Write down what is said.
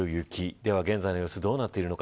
では現在の様子どうなっているのか。